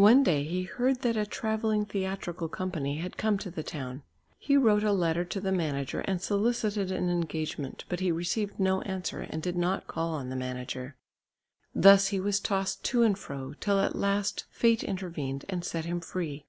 One day he heard that a travelling theatrical company had come to the town. He wrote a letter to the manager and solicited an engagement, but he received no answer and did not call on the manager. Thus he was tossed to and fro, till at last fate intervened and set him free.